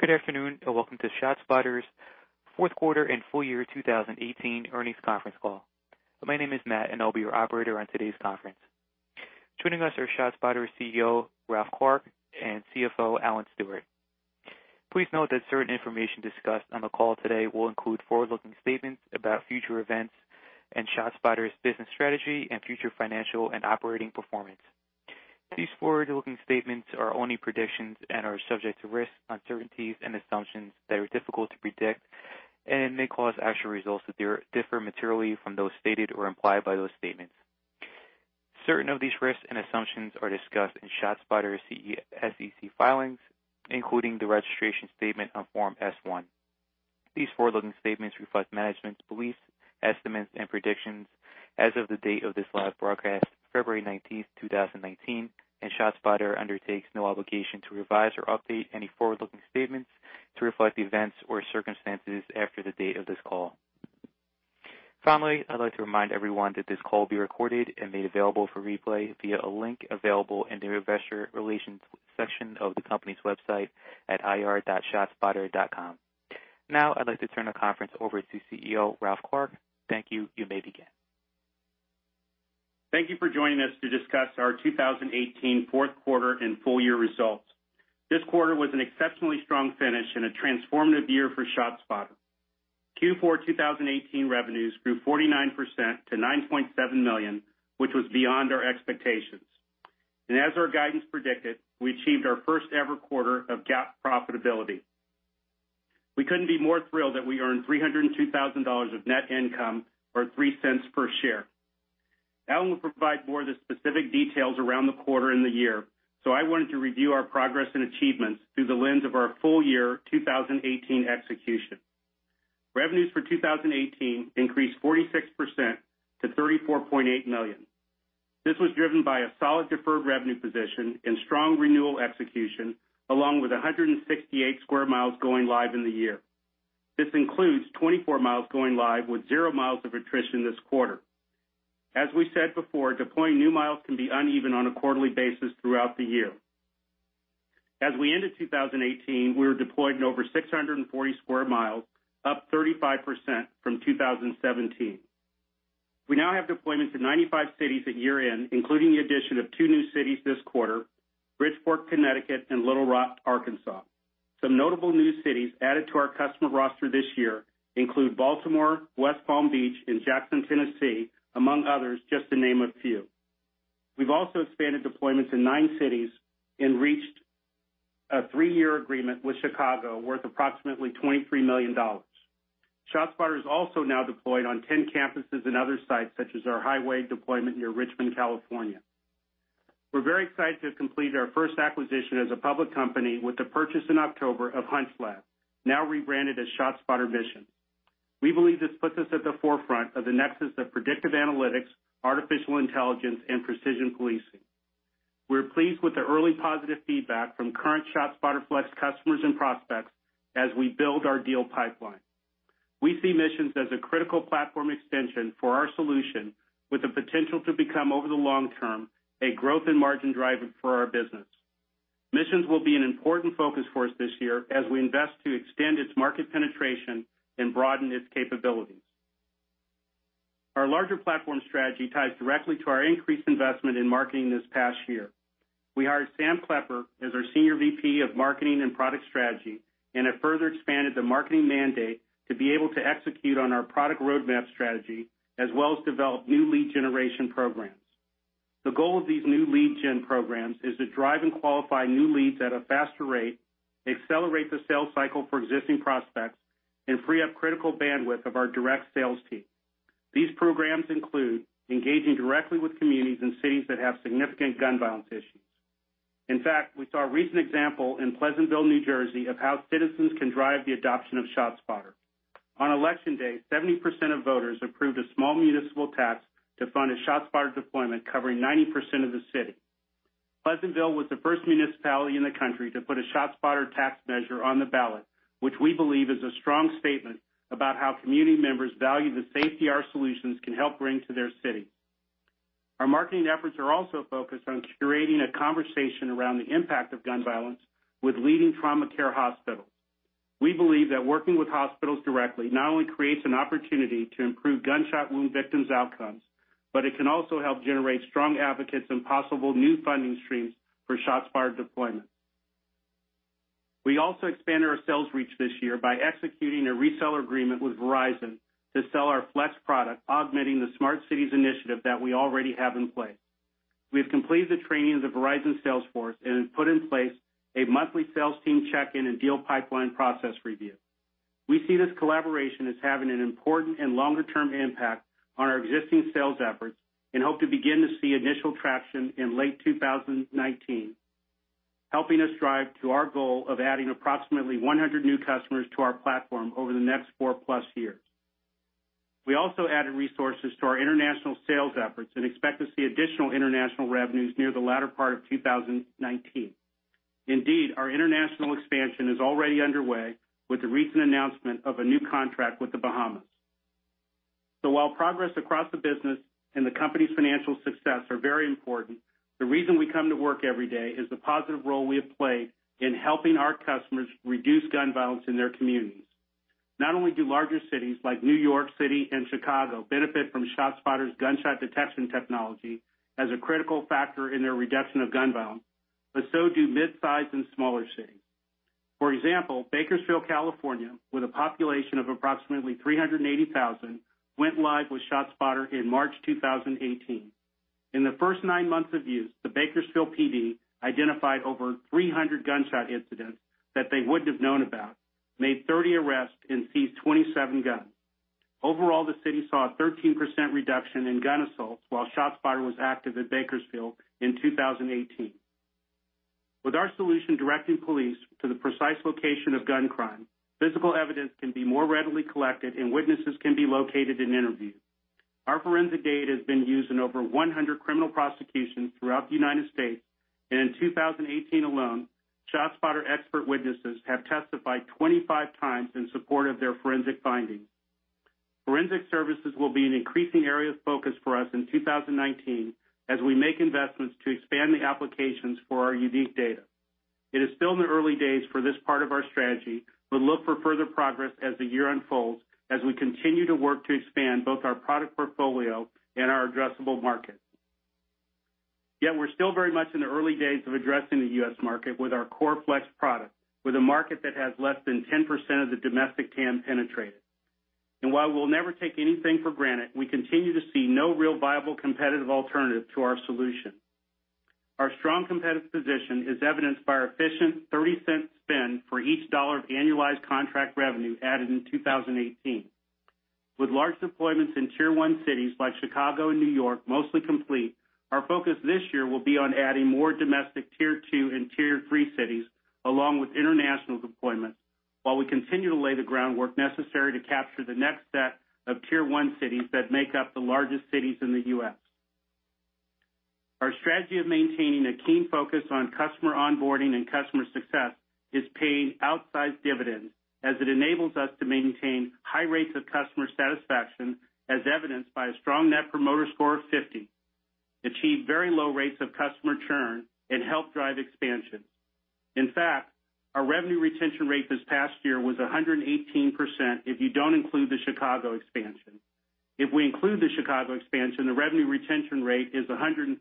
Good afternoon, and welcome to ShotSpotter's fourth quarter and full year 2018 earnings conference call. My name is Matt, and I'll be your operator on today's conference. Joining us are ShotSpotter's CEO, Ralph Clark, and CFO, Alan Stewart. Please note that certain information discussed on the call today will include forward-looking statements about future events and ShotSpotter's business strategy and future financial and operating performance. These forward-looking statements are only predictions and are subject to risks, uncertainties, and assumptions that are difficult to predict and may cause actual results to differ materially from those stated or implied by those statements. Certain of these risks and assumptions are discussed in ShotSpotter's SEC filings, including the registration statement on Form S-1. These forward-looking statements reflect management's beliefs, estimates, and predictions as of the date of this live broadcast, February 19th, 2019, and ShotSpotter undertakes no obligation to revise or update any forward-looking statements to reflect events or circumstances after the date of this call. Finally, I'd like to remind everyone that this call will be recorded and made available for replay via a link available in the investor relations section of the company's website at ir.shotspotter.com. I'd like to turn the conference over to CEO, Ralph Clark. Thank you. You may begin. Thank you for joining us to discuss our 2018 fourth quarter and full year results. This quarter was an exceptionally strong finish and a transformative year for ShotSpotter. Q4 2018 revenues grew 49% to $9.7 million, which was beyond our expectations. As our guidance predicted, we achieved our first-ever quarter of GAAP profitability. We couldn't be more thrilled that we earned $302,000 of net income or $0.03 per share. Alan will provide more of the specific details around the quarter and the year, so I wanted to review our progress and achievements through the lens of our full year 2018 execution. Revenues for 2018 increased 46% to $34.8 million. This was driven by a solid deferred revenue position and strong renewal execution, along with 168 square miles going live in the year. This includes 24 miles going live with zero miles of attrition this quarter. As we said before, deploying new miles can be uneven on a quarterly basis throughout the year. As we ended 2018, we were deployed in over 640 square miles, up 35% from 2017. We now have deployments in 95 cities at year-end, including the addition of two new cities this quarter, Bridgeport, Connecticut, and Little Rock, Arkansas. Some notable new cities added to our customer roster this year include Baltimore, West Palm Beach, and Jackson, Tennessee, among others, just to name a few. We've also expanded deployments in nine cities and reached a three-year agreement with Chicago worth approximately $23 million. ShotSpotter is also now deployed on 10 campuses and other sites, such as our highway deployment near Richmond, California. We're very excited to complete our first acquisition as a public company with the purchase in October of HunchLab, now rebranded as ShotSpotter Missions. We believe this puts us at the forefront of the nexus of predictive analytics, artificial intelligence, and precision policing. We're pleased with the early positive feedback from current ShotSpotter Flex customers and prospects as we build our deal pipeline. We see Missions as a critical platform extension for our solution with the potential to become, over the long term, a growth and margin driver for our business. Missions will be an important focus for us this year as we invest to extend its market penetration and broaden its capabilities. Our larger platform strategy ties directly to our increased investment in marketing this past year. We hired Sam Klepper as our Senior VP of Marketing and Product Strategy and have further expanded the marketing mandate to be able to execute on our product roadmap strategy, as well as develop new lead generation programs. The goal of these new lead gen programs is to drive and qualify new leads at a faster rate, accelerate the sales cycle for existing prospects, and free up critical bandwidth of our direct sales team. These programs include engaging directly with communities and cities that have significant gun violence issues. In fact, we saw a recent example in Pleasantville, New Jersey, of how citizens can drive the adoption of ShotSpotter. On election day, 70% of voters approved a small municipal tax to fund a ShotSpotter deployment covering 90% of the city. Pleasantville was the first municipality in the country to put a ShotSpotter tax measure on the ballot, which we believe is a strong statement about how community members value the safety our solutions can help bring to their city. Our marketing efforts are also focused on curating a conversation around the impact of gun violence with leading trauma care hospitals. We believe that working with hospitals directly not only creates an opportunity to improve gunshot wound victims' outcomes, but it can also help generate strong advocates and possible new funding streams for ShotSpotter deployment. We also expanded our sales reach this year by executing a reseller agreement with Verizon to sell our Flex product, augmenting the Smart Cities initiative that we already have in place. We have completed the training of the Verizon sales force and have put in place a monthly sales team check-in and deal pipeline process review. We see this collaboration as having an important and longer-term impact on our existing sales efforts and hope to begin to see initial traction in late 2019, helping us drive to our goal of adding approximately 100 new customers to our platform over the next four-plus years. We also added resources to our international sales efforts and expect to see additional international revenues near the latter part of 2019. Indeed, our international expansion is already underway with the recent announcement of a new contract with the Bahamas. While progress across the business and the company's financial success are very important, the reason we come to work every day is the positive role we have played in helping our customers reduce gun violence in their communities. Not only do larger cities like New York City and Chicago benefit from ShotSpotter's gunshot detection technology as a critical factor in their reduction of gun violence, but so do mid-size and smaller cities. For example, Bakersfield, California, with a population of approximately 380,000, went live with ShotSpotter in March 2018. In the first nine months of use, the Bakersfield PD identified over 300 gunshot incidents that they wouldn't have known about, made 30 arrests, and seized 27 guns. Overall, the city saw a 13% reduction in gun assaults while ShotSpotter was active in Bakersfield in 2018. With our solution directing police to the precise location of gun crime, physical evidence can be more readily collected, and witnesses can be located and interviewed. Our forensic data has been used in over 100 criminal prosecutions throughout the U.S., in 2018 alone, ShotSpotter expert witnesses have testified 25 times in support of their forensic findings. Forensic services will be an increasing area of focus for us in 2019 as we make investments to expand the applications for our unique data. It is still in the early days for this part of our strategy, look for further progress as the year unfolds, as we continue to work to expand both our product portfolio and our addressable market. Yet we're still very much in the early days of addressing the U.S. market with our Core Flex product, with a market that has less than 10% of the domestic TAM penetrated. While we'll never take anything for granted, we continue to see no real viable competitive alternative to our solution. Our strong competitive position is evidenced by our efficient $0.30 spend for each $1 of annualized contract revenue added in 2018. With large deployments in tier 1 cities like Chicago and New York mostly complete, our focus this year will be on adding more domestic tier 2 and tier 3 cities, along with international deployments while we continue to lay the groundwork necessary to capture the next set of tier 1 cities that make up the largest cities in the U.S. Our strategy of maintaining a keen focus on customer onboarding and customer success is paying outsized dividends as it enables us to maintain high rates of customer satisfaction, as evidenced by a strong net promoter score of 50, achieve very low rates of customer churn, and help drive expansion. In fact, our revenue retention rate this past year was 118% if you don't include the Chicago expansion. If we include the Chicago expansion, the revenue retention rate is 139%.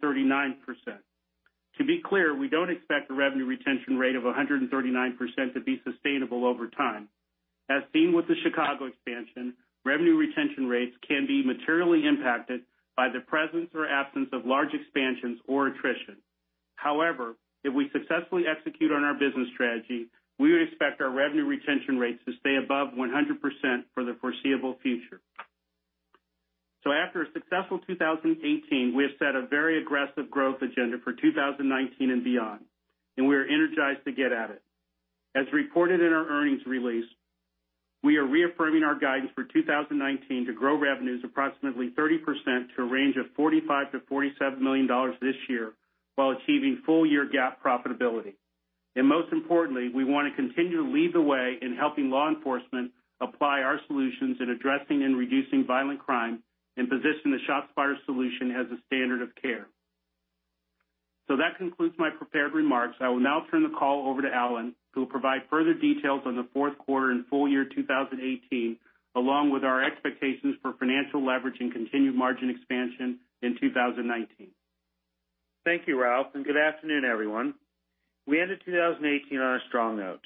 To be clear, we don't expect a revenue retention rate of 139% to be sustainable over time. As seen with the Chicago expansion, revenue retention rates can be materially impacted by the presence or absence of large expansions or attrition. However, if we successfully execute on our business strategy, we would expect our revenue retention rates to stay above 100% for the foreseeable future. After a successful 2018, we have set a very aggressive growth agenda for 2019 and beyond, and we are energized to get at it. As reported in our earnings release, we are reaffirming our guidance for 2019 to grow revenues approximately 30% to a range of $45 million to $47 million this year while achieving full-year GAAP profitability. Most importantly, we want to continue to lead the way in helping law enforcement apply our solutions in addressing and reducing violent crime and position the ShotSpotter solution as a standard of care. That concludes my prepared remarks. I will now turn the call over to Alan, who will provide further details on the fourth quarter and full year 2018, along with our expectations for financial leverage and continued margin expansion in 2019. Thank you, Ralph, and good afternoon, everyone. We ended 2018 on a strong note.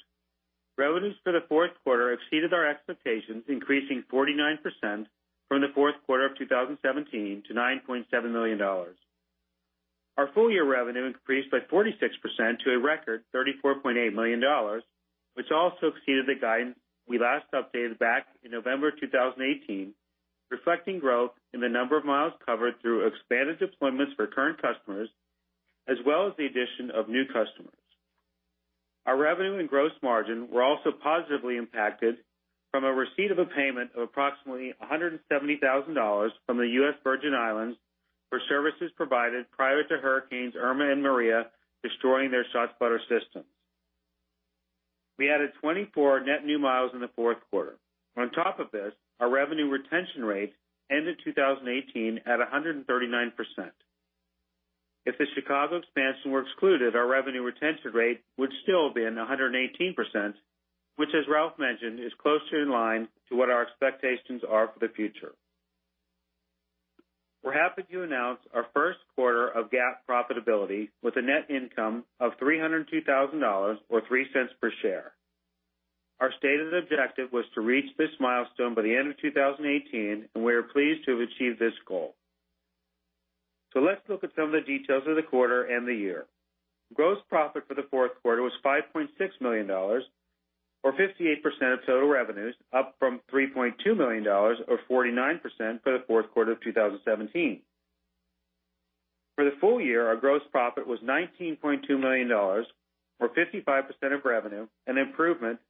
Revenues for the fourth quarter exceeded our expectations, increasing 49% from the fourth quarter of 2017 to $9.7 million. Our full-year revenue increased by 46% to a record $34.8 million, which also exceeded the guidance we last updated back in November 2018, reflecting growth in the number of miles covered through expanded deployments for current customers as well as the addition of new customers. Our revenue and gross margin were also positively impacted from a receipt of a payment of approximately $170,000 from the U.S. Virgin Islands for services provided prior to hurricanes Irma and Maria destroying their ShotSpotter systems. We added 24 net new miles in the fourth quarter. On top of this, our revenue retention rate ended 2018 at 139%. If the Chicago expansion were excluded, our revenue retention rate would still have been 118%, which, as Ralph mentioned, is closer in line to what our expectations are for the future. We are happy to announce our first quarter of GAAP profitability with a net income of $302,000, or $0.03 per share. Our stated objective was to reach this milestone by the end of 2018, and we are pleased to have achieved this goal. Let's look at some of the details of the quarter and the year. Gross profit for the fourth quarter was $5.6 million, or 58% of total revenues, up from $3.2 million, or 49%, for the fourth quarter of 2017. For the full-year, our gross profit was $19.2 million, or 55% of revenue, an improvement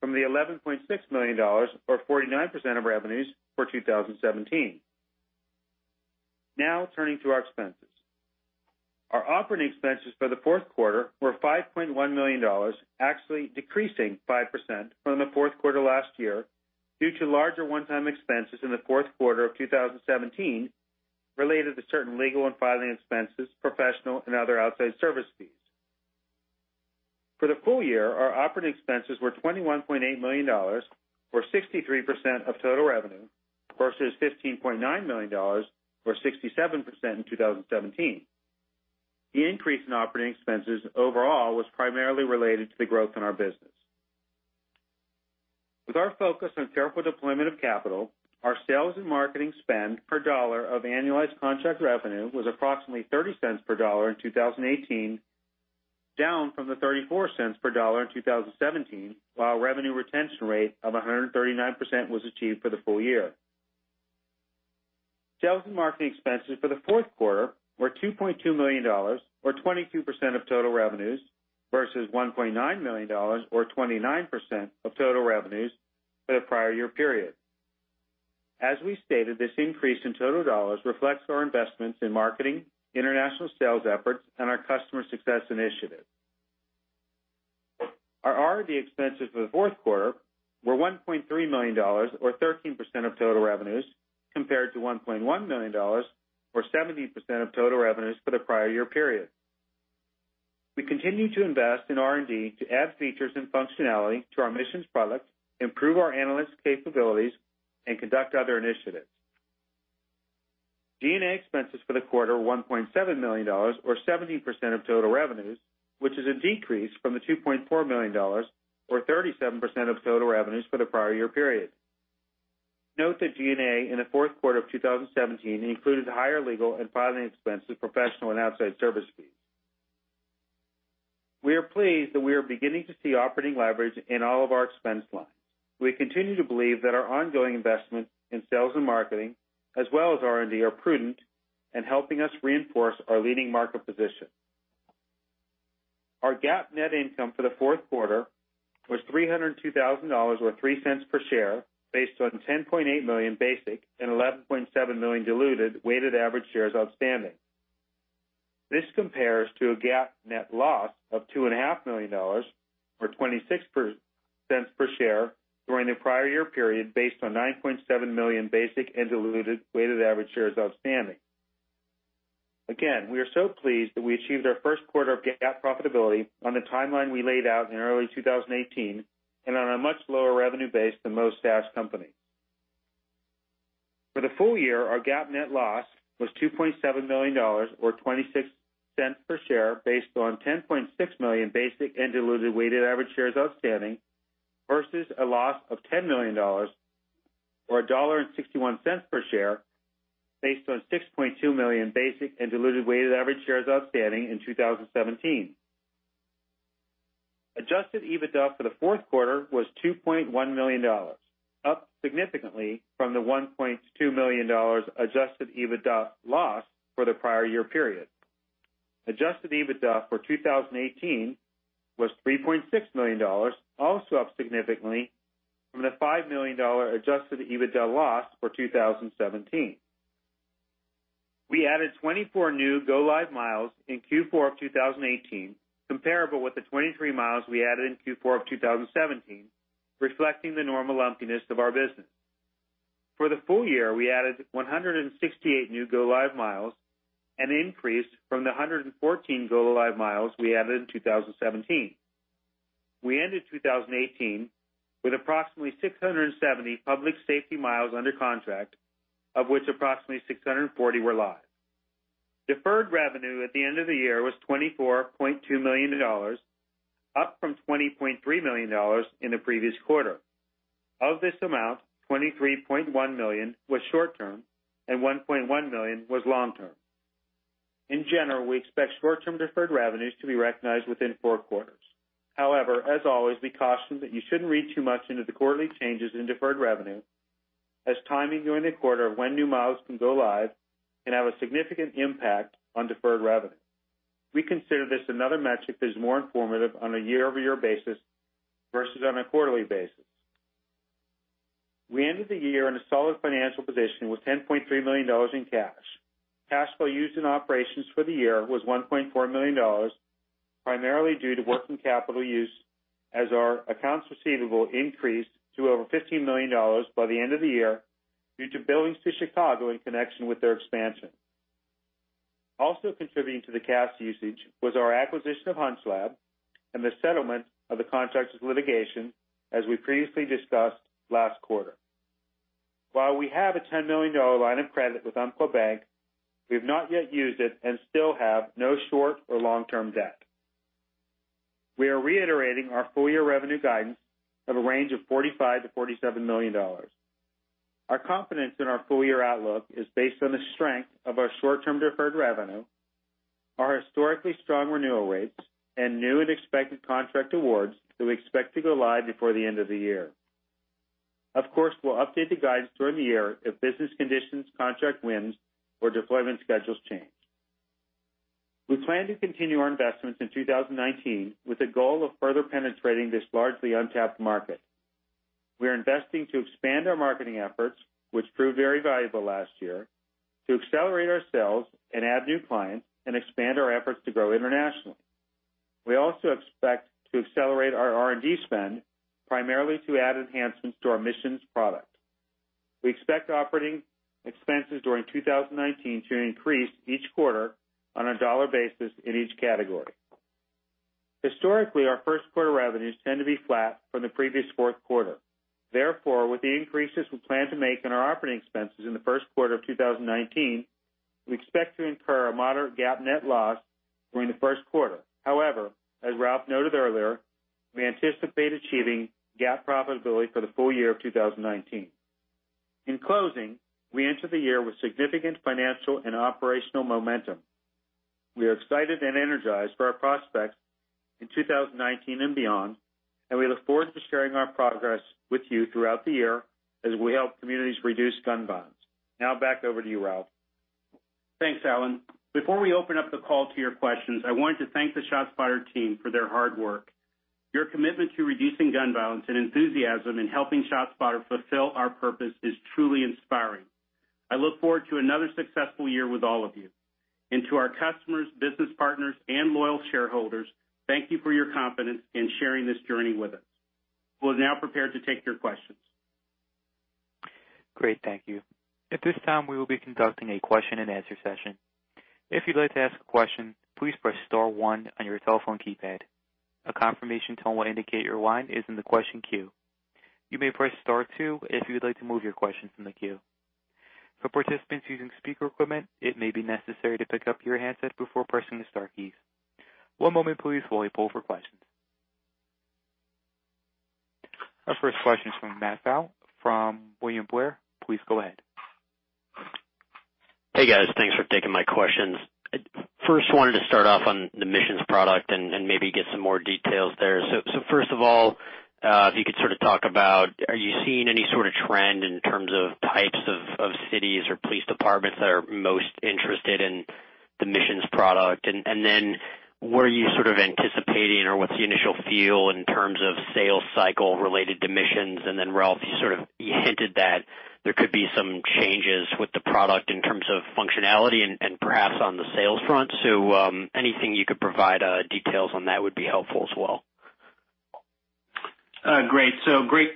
from the $11.6 million or 49% of revenues for 2017. Turning to our expenses. Our operating expenses for the fourth quarter were $5.1 million, actually decreasing 5% from the fourth quarter last year due to larger one-time expenses in the fourth quarter of 2017 related to certain legal and filing expenses, professional and other outside service fees. For the full-year, our operating expenses were $21.8 million, or 63% of total revenue, versus $15.9 million, or 67%, in 2017. The increase in operating expenses overall was primarily related to the growth in our business. With our focus on careful deployment of capital, our sales and marketing spend per dollar of annualized contract revenue was approximately $0.30 per dollar in 2018, down from the $0.34 per dollar in 2017, while revenue retention rate of 139% was achieved for the full-year. Sales and marketing expenses for the fourth quarter were $2.2 million, or 22% of total revenues, versus $1.9 million, or 29% of total revenues for the prior year period. As we stated, this increase in total dollars reflects our investments in marketing, international sales efforts, and our customer success initiative. Our R&D expenses for the fourth quarter were $1.3 million, or 13% of total revenues, compared to $1.1 million, or 17% of total revenues for the prior year period. We continue to invest in R&D to add features and functionality to our ShotSpotter Missions products, improve our analyst capabilities, and conduct other initiatives. G&A expenses for the quarter were $1.7 million, or 17% of total revenues, which is a decrease from the $2.4 million or 37% of total revenues for the prior year period. Note that G&A in the fourth quarter of 2017 included higher legal and filing expenses, professional and outside service fees. We are pleased that we are beginning to see operating leverage in all of our expense lines. We continue to believe that our ongoing investment in sales and marketing, as well as R&D, are prudent and helping us reinforce our leading market position. Our GAAP net income for the fourth quarter was $302,000, or $0.03 per share, based on 10.8 million basic and 11.7 million diluted weighted average shares outstanding. This compares to a GAAP net loss of $2.5 million, or $0.26 per share, during the prior year period, based on 9.7 million basic and diluted weighted average shares outstanding. Again, we are so pleased that we achieved our first quarter of GAAP profitability on the timeline we laid out in early 2018 and on a much lower revenue base than most SaaS companies. For the full year, our GAAP net loss was $2.7 million, or $0.26 per share, based on 10.6 million basic and diluted weighted average shares outstanding, versus a loss of $10 million, or $1.61 per share, based on 6.2 million basic and diluted weighted average shares outstanding in 2017. Adjusted EBITDA for the fourth quarter was $2.1 million, up significantly from the $1.2 million adjusted EBITDA loss for the prior year period. Adjusted EBITDA for 2018 was $3.6 million, also up significantly from the $5 million adjusted EBITDA loss for 2017. We added 24 new go live miles in Q4 of 2018, comparable with the 23 miles we added in Q4 of 2017, reflecting the normal lumpiness of our business. For the full year, we added 168 new go live miles, an increase from the 114 go live miles we added in 2017. We ended 2018 with approximately 670 public safety miles under contract, of which approximately 640 were live. Deferred revenue at the end of the year was $24.2 million, up from $20.3 million in the previous quarter. Of this amount, $23.1 million was short-term and $1.1 million was long-term. In general, we expect short-term deferred revenues to be recognized within four quarters. However, as always, we caution that you shouldn't read too much into the quarterly changes in deferred revenue, as timing during the quarter of when new miles can go live can have a significant impact on deferred revenue. We consider this another metric that is more informative on a year-over-year basis versus on a quarterly basis. We ended the year in a solid financial position with $10.3 million in cash. Cash flow used in operations for the year was $1.4 million, primarily due to working capital use as our accounts receivable increased to over $15 million by the end of the year due to billings to Chicago in connection with their expansion. Also contributing to the cash usage was our acquisition of HunchLab and the settlement of the contract's litigation as we previously discussed last quarter. While we have a $10 million line of credit with Umpqua Bank, we've not yet used it and still have no short or long-term debt. We are reiterating our full-year revenue guidance of a range of $45 million-$47 million. Our confidence in our full-year outlook is based on the strength of our short-term deferred revenue, our historically strong renewal rates, and new and expected contract awards that we expect to go live before the end of the year. Of course, we'll update the guidance during the year if business conditions, contract wins, or deployment schedules change. We plan to continue our investments in 2019 with a goal of further penetrating this largely untapped market. We are investing to expand our marketing efforts, which proved very valuable last year, to accelerate our sales and add new clients and expand our efforts to grow internationally. We also expect to accelerate our R&D spend, primarily to add enhancements to our Missions product. We expect operating expenses during 2019 to increase each quarter on a dollar basis in each category. Historically, our first quarter revenues tend to be flat from the previous fourth quarter. Therefore, with the increases we plan to make on our operating expenses in the first quarter of 2019, we expect to incur a moderate GAAP net loss during the first quarter. However, as Ralph noted earlier, we anticipate achieving GAAP profitability for the full-year of 2019. In closing, we enter the year with significant financial and operational momentum. We are excited and energized for our prospects in 2019 and beyond, and we look forward to sharing our progress with you throughout the year as we help communities reduce gun violence. Now back over to you, Ralph. Thanks, Alan. Before we open up the call to your questions, I wanted to thank the ShotSpotter team for their hard work. Your commitment to reducing gun violence and enthusiasm in helping ShotSpotter fulfill our purpose is truly inspiring. I look forward to another successful year with all of you. To our customers, business partners, and loyal shareholders, thank you for your confidence in sharing this journey with us. We're now prepared to take your questions. Great. Thank you. At this time, we will be conducting a question and answer session. If you'd like to ask a question, please press star one on your telephone keypad. A confirmation tone will indicate your line is in the question queue. You may press star two if you would like to move your question in the queue. For participants using speaker equipment, it may be necessary to pick up your handset before pressing the star keys. One moment please while we poll for questions. Our first question is from Matt Pfau from William Blair. Please go ahead. Hey, guys. Thanks for taking my questions. I first wanted to start off on the Missions product and maybe get some more details there. First of all, if you could sort of talk about, are you seeing any sort of trend in terms of types of cities or police departments that are most interested in the Missions product? Then were you sort of anticipating or what's the initial feel in terms of sales cycle related to Missions? Then Ralph, you sort of hinted that there could be some changes with the product in terms of functionality and perhaps on the sales front. Anything you could provide details on that would be helpful as well. Great.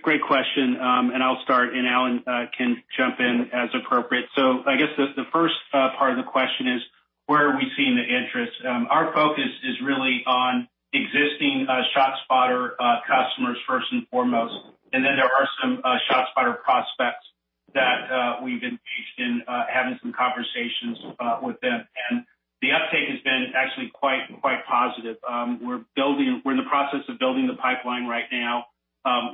Great question. I'll start, and Alan can jump in as appropriate. I guess the first part of the question is, where are we seeing the interest? Our focus is really on existing ShotSpotter customers first and foremost. Then there are some ShotSpotter prospects that we've engaged in having some conversations with them. The uptake has been actually quite positive. We're in the process of building the pipeline right now.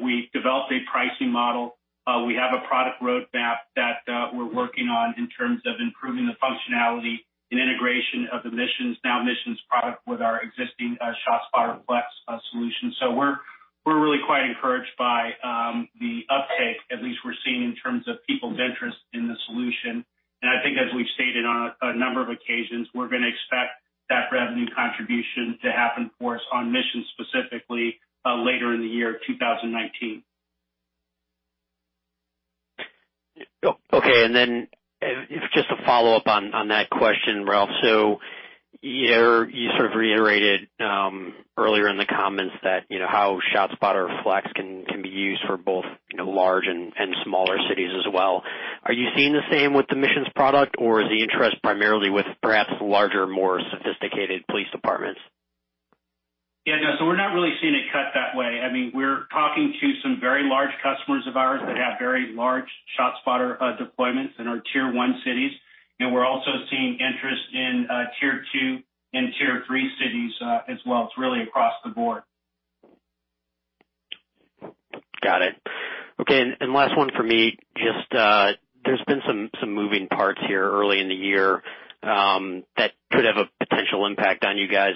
We've developed a pricing model. We have a product roadmap that we're working on in terms of improving the functionality and integration of the Missions product with our existing ShotSpotter Flex solution. We're really quite encouraged by the uptake, at least we're seeing in terms of people's interest in the solution. I think as we've stated on a number of occasions, we're going to expect that revenue contribution to happen for us on Missions specifically later in the year 2019. Okay. Just a follow-up on that question, Ralph. You sort of reiterated earlier in the comments how ShotSpotter Flex can be used for both large and smaller cities as well. Are you seeing the same with the Missions product, or is the interest primarily with perhaps larger, more sophisticated police departments? Yeah, no, we're not really seeing it cut that way. I mean, we're talking to some very large customers of ours that have very large ShotSpotter deployments in our tier 1 cities. We're also seeing interest in tier 2 and tier 3 cities as well. It's really across the board. Got it. Okay, last one for me. Just there's been some moving parts here early in the year that could have a potential impact on you guys.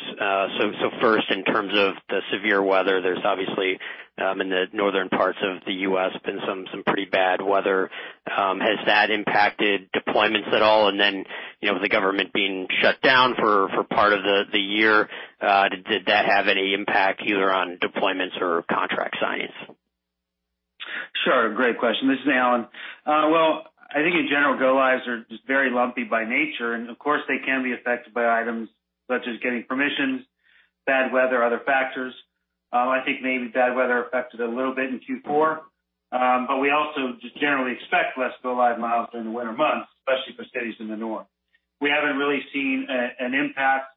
First, in terms of the severe weather, there's obviously in the northern parts of the U.S. been some pretty bad weather. Has that impacted deployments at all? The government being shut down for part of the year, did that have any impact either on deployments or contract signings? Sure. Great question. This is Alan. Well, I think in general, go-lives are just very lumpy by nature, of course, they can be affected by items such as getting permissions, bad weather, other factors. I think maybe bad weather affected a little bit in Q4, we also just generally expect less go-live miles in the winter months, especially for cities in the north. We haven't really seen an impact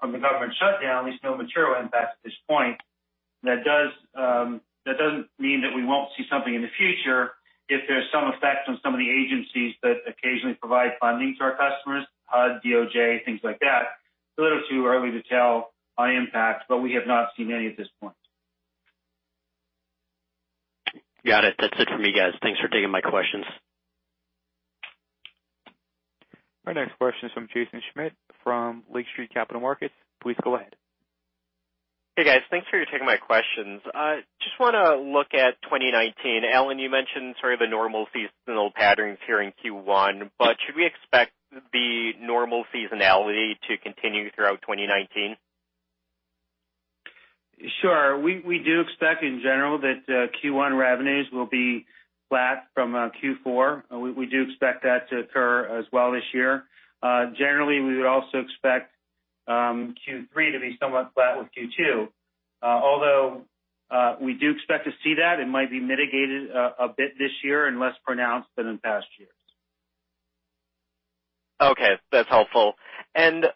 from the government shutdown, at least no material impact at this point. That doesn't mean that we won't see something in the future if there's some effect on some of the agencies that occasionally provide funding to our customers, HUD, DOJ, things like that. A little too early to tell on impact, we have not seen any at this point. Got it. That's it for me, guys. Thanks for taking my questions. Our next question is from Jaeson Schmidt from Lake Street Capital Markets. Please go ahead. Hey guys, thanks for taking my questions. Just want to look at 2019. Alan, you mentioned sort of the normal seasonal patterns here in Q1. Should we expect the normal seasonality to continue throughout 2019? Sure. We do expect in general that Q1 revenues will be flat from Q4. We do expect that to occur as well this year. Generally, we would also expect Q3 to be somewhat flat with Q2. We do expect to see that, it might be mitigated a bit this year and less pronounced than in past years. Okay. That's helpful.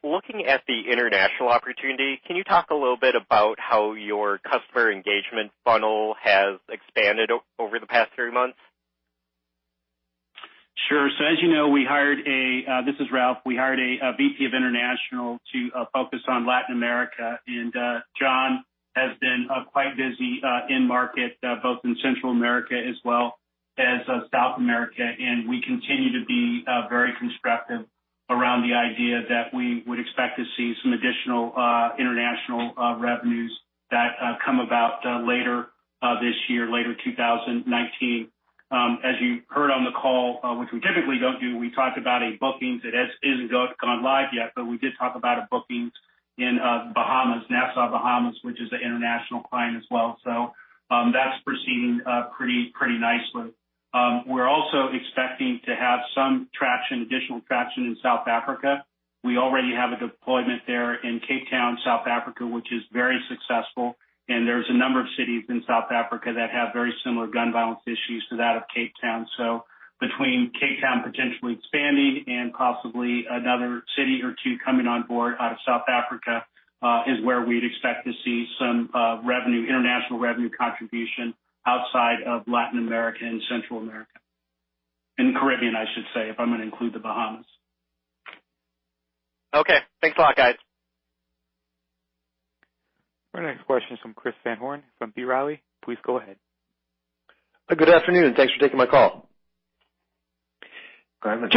Looking at the international opportunity, can you talk a little bit about how your customer engagement funnel has expanded over the past three months? Sure. As you know, this is Ralph, we hired a VP of international to focus on Latin America. John has been quite busy in-market, both in Central America as well as South America. We continue to be very constructive around the idea that we would expect to see some additional international revenues that come about later this year, later 2019. As you heard on the call, which we typically don't do, we talked about a bookings. It isn't gone live yet, but we did talk about a bookings in Nassau, Bahamas, which is an international client as well. That's proceeding pretty nicely. We're also expecting to have some additional traction in South Africa. We already have a deployment there in Cape Town, South Africa, which is very successful, and there's a number of cities in South Africa that have very similar gun violence issues to that of Cape Town. Between Cape Town potentially expanding and possibly another city or two coming on board out of South Africa, is where we'd expect to see some international revenue contribution outside of Latin America and Central America. Caribbean, I should say, if I'm going to include the Bahamas. Okay. Thanks a lot, guys. Our next question is from Chris Van Horn from B. Riley. Please go ahead. Good afternoon, thanks for taking my call. Go ahead.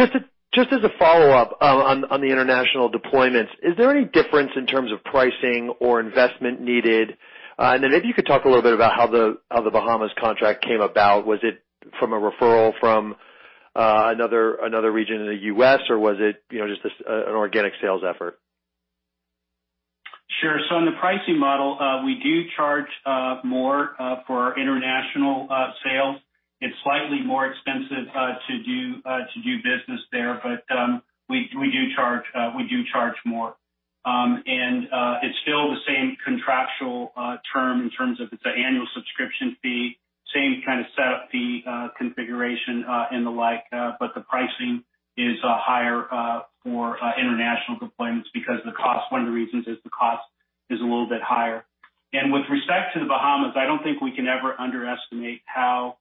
Just as a follow-up on the international deployments, is there any difference in terms of pricing or investment needed? Then maybe you could talk a little bit about how the Bahamas contract came about. Was it from a referral from another region in the U.S., or was it just an organic sales effort? Sure. On the pricing model, we do charge more for our international sales. It's slightly more expensive to do business there, but we do charge more. It's still the same contractual term in terms of it's an annual subscription fee, same kind of setup fee configuration and the like. The pricing is higher for international deployments because one of the reasons is the cost is a little bit higher. With respect to the Bahamas, I don't think we can ever underestimate how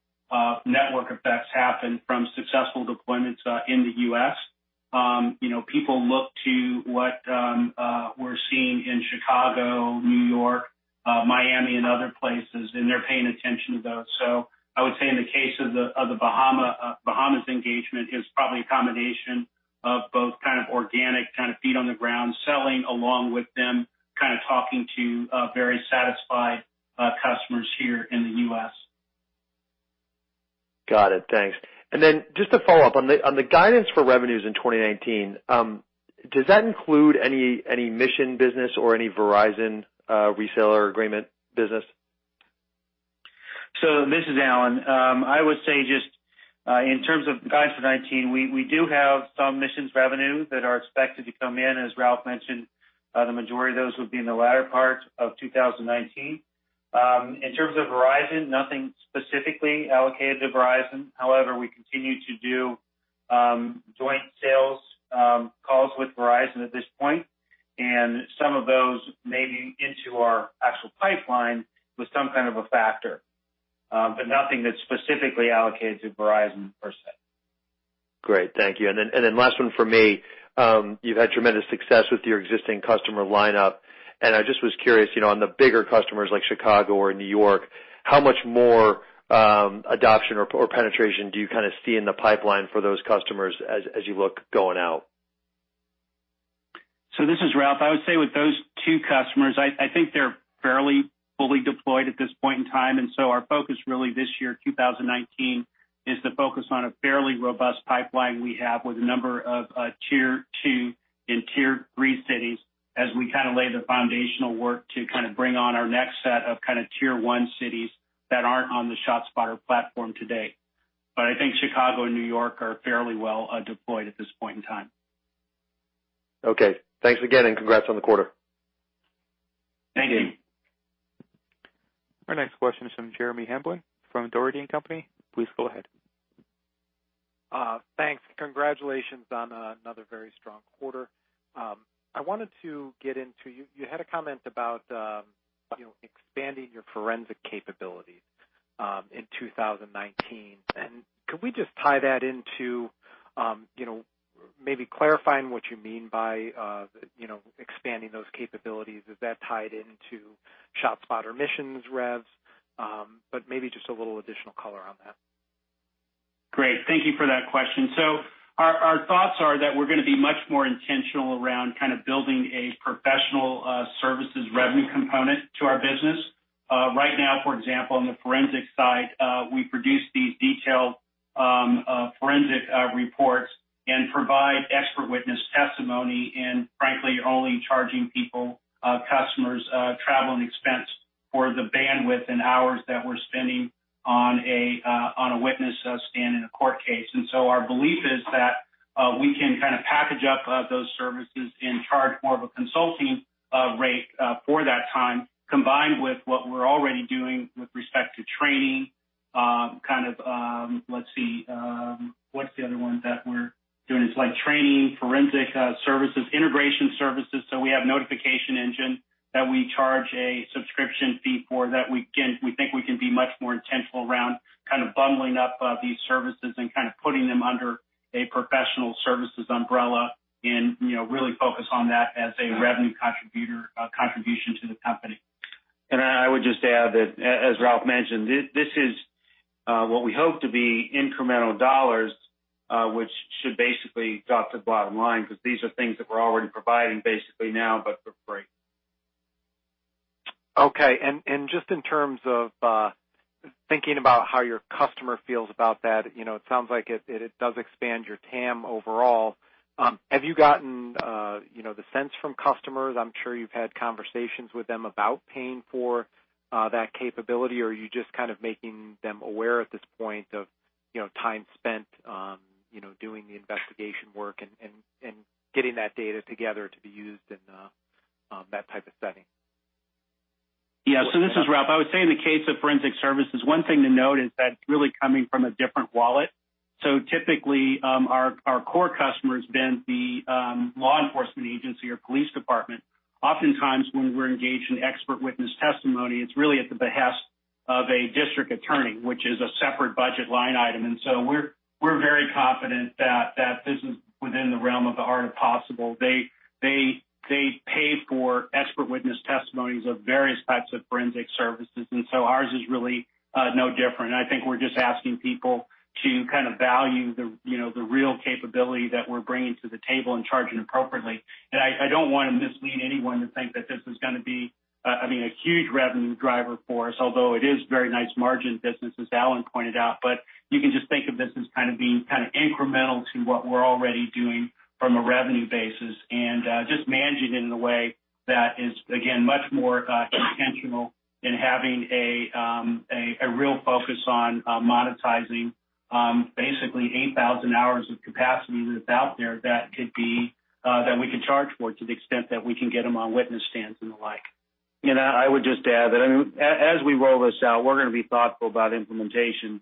network effects happen from successful deployments in the U.S. People look to what we're seeing in Chicago, New York, Miami, and other places, and they're paying attention to those. I would say in the case of the Bahamas engagement, it was probably a combination of both kind of organic feet-on-the-ground selling, along with them kind of talking to very satisfied customers here in the U.S. Got it. Thanks. Just to follow up, on the guidance for revenues in 2019, does that include any Missions business or any Verizon reseller agreement business? This is Alan. I would say just in terms of guidance for 2019, we do have some Missions revenue that are expected to come in. As Ralph mentioned, the majority of those would be in the latter part of 2019. In terms of Verizon, nothing specifically allocated to Verizon. However, we continue to do joint sales calls with Verizon at this point. Some of those may be into our actual pipeline with some kind of a factor. Nothing that's specifically allocated to Verizon, per se. Great. Thank you. Last one from me. You've had tremendous success with your existing customer lineup, I just was curious, on the bigger customers like Chicago or New York, how much more adoption or penetration do you kind of see in the pipeline for those customers as you look going out? This is Ralph. I would say with those two customers, I think they're fairly fully deployed at this point in time. Our focus really this year, 2019, is to focus on a fairly robust pipeline we have with a number of tier 2 and tier 3 cities as we kind of lay the foundational work to kind of bring on our next set of tier 1 cities that aren't on the ShotSpotter platform today. I think Chicago and New York are fairly well deployed at this point in time. Okay. Thanks again, congrats on the quarter. Thank you. Thank you. Our next question is from Jeremy Hamblin from Dougherty & Company. Please go ahead. Thanks. Congratulations on another very strong quarter. I wanted to get into, you had a comment about expanding your forensic capabilities in 2019. Could we just tie that into maybe clarifying what you mean by expanding those capabilities? Is that tied into ShotSpotter Missions revs? Maybe just a little additional color on that. Great. Thank you for that question. Our thoughts are that we're going to be much more intentional around building a professional services revenue component to our business. Right now, for example, on the forensic side, we produce these detailed forensic reports and provide expert witness testimony and frankly, only charging people, customers, travel and expense for the bandwidth and hours that we're spending on a witness stand in a court case. Our belief is that we can package up those services and charge more of a consulting rate for that time, combined with what we're already doing with respect to training. Let's see. What's the other one that we're doing? It's like training, forensic services, integration services. We have notification engine that we charge a subscription fee for, that we think we can be much more intentional around bundling up these services and putting them under a professional services umbrella and really focus on that as a revenue contribution to the company. I would just add that, as Ralph mentioned, this is what we hope to be incremental dollars, which should basically drop to the bottom line, because these are things that we're already providing basically now, but for free. Just in terms of thinking about how your customer feels about that, it sounds like it does expand your TAM overall. Have you gotten the sense from customers, I'm sure you've had conversations with them about paying for that capability, or are you just making them aware at this point of time spent doing the investigation work and getting that data together to be used in that type of setting? This is Ralph. I would say in the case of forensic services, one thing to note is that it's really coming from a different wallet. Typically, our core customer has been the law enforcement agency or police department. Oftentimes, when we're engaged in expert witness testimony, it's really at the behest of a district attorney, which is a separate budget line item. We're very confident that this is within the realm of the art of possible. They pay for expert witness testimonies of various types of forensic services, and ours is really no different. I think we're just asking people to value the real capability that we're bringing to the table and charging appropriately. I don't want to mislead anyone to think that this is going to be a huge revenue driver for us, although it is very nice margin business, as Alan pointed out. You can just think of this as being incremental to what we're already doing from a revenue basis and just managing it in a way that is, again, much more intentional in having a real focus on monetizing basically 8,000 hours of capacity that's out there that we could charge for to the extent that we can get them on witness stands and the like. I would just add that as we roll this out, we're going to be thoughtful about implementation.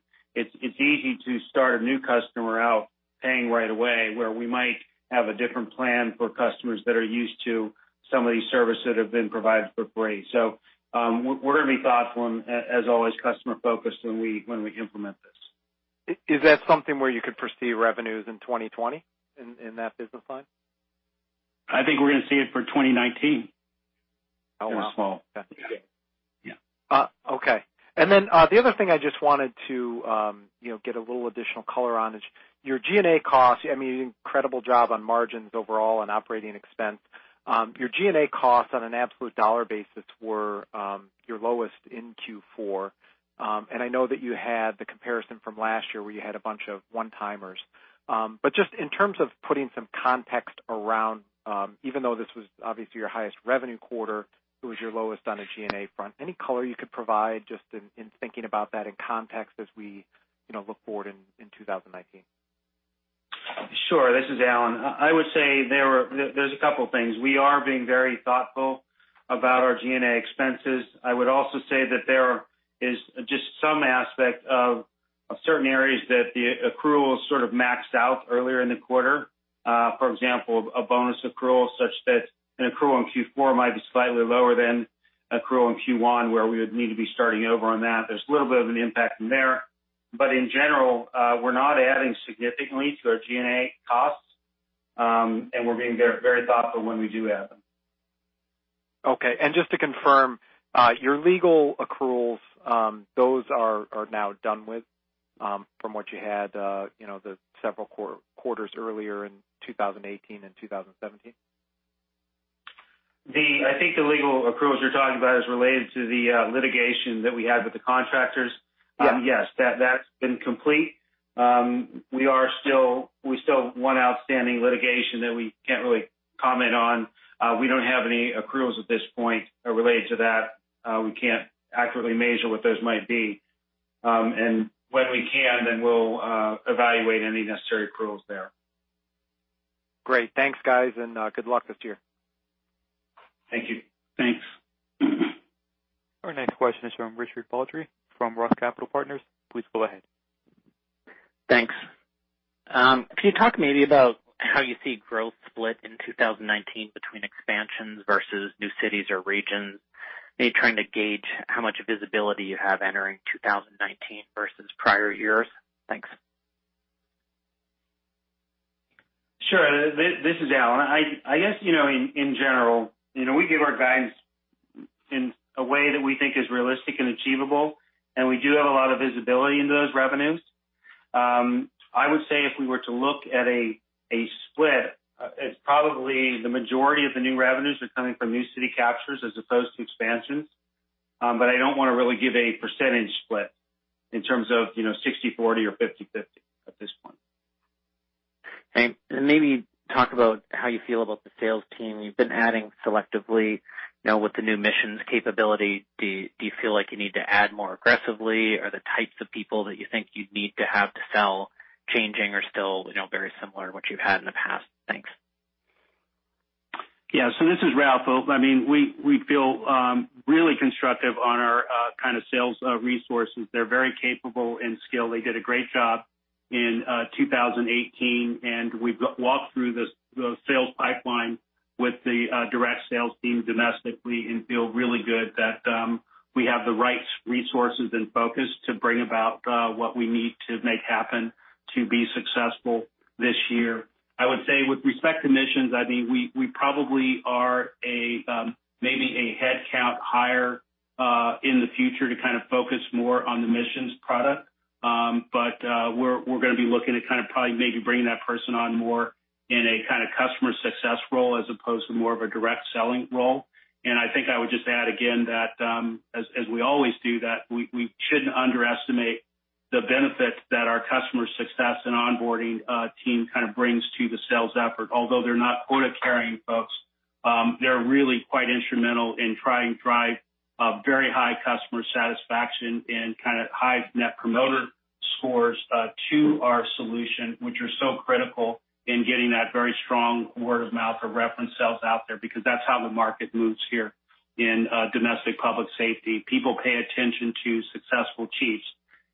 It's easy to start a new customer out paying right away, where we might have a different plan for customers that are used to some of these services that have been provided for free. We're going to be thoughtful and, as always, customer-focused when we implement this. Is that something where you could foresee revenues in 2020 in that business line? I think we're going to see it for 2019 in a small-. Oh, wow. Yeah. Okay. Then the other thing I just wanted to get a little additional color on is your G&A costs. Incredible job on margins overall and operating expense. Your G&A costs on an absolute dollar basis were your lowest in Q4. I know that you had the comparison from last year where you had a bunch of one-timers. Just in terms of putting some context around, even though this was obviously your highest revenue quarter, it was your lowest on a G&A front. Any color you could provide just in thinking about that in context as we look forward in 2019? Sure. This is Alan. I would say there's a couple things. We are being very thoughtful about our G&A expenses. I would also say that there is just some aspect of certain areas that the accrual sort of maxed out earlier in the quarter. For example, a bonus accrual such that an accrual in Q4 might be slightly lower than accrual in Q1, where we would need to be starting over on that. There's a little bit of an impact from there. In general, we're not adding significantly to our G&A costs, and we're being very thoughtful when we do add them. Okay. Just to confirm, your legal accruals, those are now done with from what you had the several quarters earlier in 2018 and 2017? I think the legal accruals you're talking about is related to the litigation that we had with the contractors. Yeah. Yes. That's been complete. We still have one outstanding litigation that we can't really comment on. We don't have any accruals at this point related to that. We can't accurately measure what those might be. When we can, then we'll evaluate any necessary accruals there. Great. Thanks, guys, and good luck this year. Thank you. Thanks. Our next question is from Richard Baldry from Roth Capital Partners. Please go ahead. Thanks. Could you talk maybe about how you see growth split in 2019 between expansions versus new cities or regions? Maybe trying to gauge how much visibility you have entering 2019 versus prior years. Thanks. This is Alan. I guess, in general, we give our guidance in a way that we think is realistic and achievable, and we do have a lot of visibility into those revenues. I would say if we were to look at a split, it's probably the majority of the new revenues are coming from new city captures as opposed to expansions. I don't want to really give a percentage split in terms of 60/40 or 50/50 at this point. Okay. Maybe talk about how you feel about the sales team. You've been adding selectively now with the new Missions capability. Do you feel like you need to add more aggressively? Are the types of people that you think you'd need to have to sell changing or still very similar to what you've had in the past? Thanks. Yeah. This is Ralph. We feel really constructive on our kind of sales resources. They're very capable and skilled. They did a great job in 2018, and we've walked through the sales pipeline with the direct sales team domestically and feel really good that we have the right resources and focus to bring about what we need to make happen to be successful this year. I would say with respect to Missions, we probably are maybe a headcount hire in the future to kind of focus more on the Missions product. We're going to be looking to kind of probably maybe bring that person on more in a kind of customer success role as opposed to more of a direct selling role. I think I would just add again, that, as we always do, that we shouldn't underestimate the benefits that our customer success and onboarding team kind of brings to the sales effort. Although they're not quota-carrying folks, they're really quite instrumental in trying to drive very high customer satisfaction and kind of high net promoter scores to our solution, which are so critical in getting that very strong word of mouth or reference sales out there, because that's how the market moves here in domestic public safety. People pay attention to successful chiefs,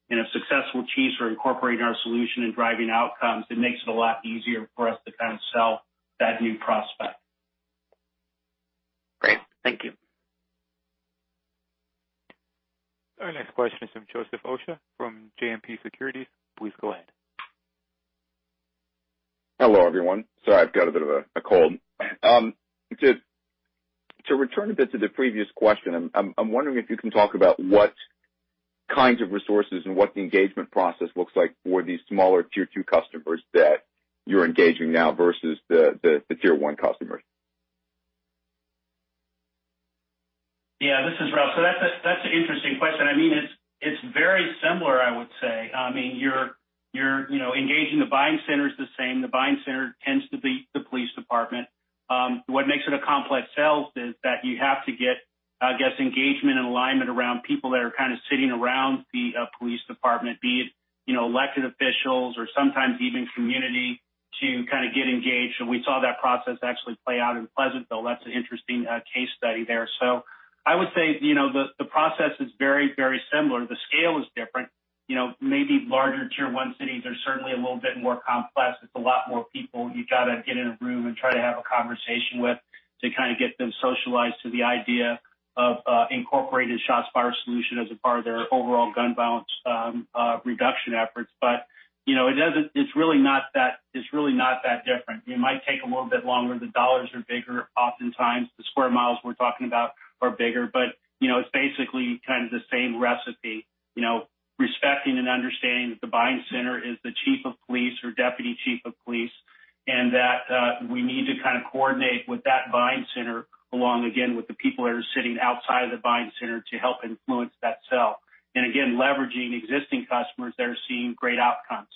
and if successful chiefs are incorporating our solution and driving outcomes, it makes it a lot easier for us to kind of sell that new prospect. Great. Thank you. Our next question is from Joseph Osher from JMP Securities. Please go ahead. Hello, everyone. Sorry, I've got a bit of a cold. To return a bit to the previous question, I'm wondering if you can talk about what kinds of resources and what the engagement process looks like for these smaller tier 2 customers that you're engaging now versus the tier 1 customers. This is Ralph. That's an interesting question. It's very similar, I would say. You're engaging the buying centers the same. The buying center tends to be the police department. What makes it a complex sales is that you have to get engagement and alignment around people that are kind of sitting around the police department, be it elected officials or sometimes even community to kind of get engaged. We saw that process actually play out in Pleasantville. That's an interesting case study there. I would say, the process is very similar. The scale is different. Maybe larger tier 1 cities are certainly a little bit more complex. It's a lot more people you got to get in a room and try to have a conversation with to kind of get them socialized to the idea of incorporating ShotSpotter solution as a part of their overall gun violence reduction efforts. It's really not that different. It might take a little bit longer. The dollars are bigger. Oftentimes, the square miles we're talking about are bigger, but it's basically kind of the same recipe, respecting and understanding that the buying center is the chief of police or deputy chief of police, and that we need to kind of coordinate with that buying center along, again, with the people that are sitting outside of the buying center to help influence that sale. Again, leveraging existing customers that are seeing great outcomes.